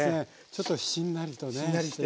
ちょっとしんなりとねしていて。